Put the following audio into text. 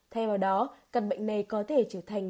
thay vào đó căn bệnh này có thể trở thành